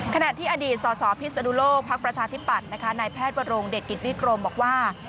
ขณะที่อดีตสสพิศนุโลกภักดิ์ประชาธิปัตย์นะคะนายแพทย์วรงเดชกิจวิกรมบอกว่า